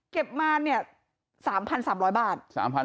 เก็บมาเนี่ย๓๓๐๐บาท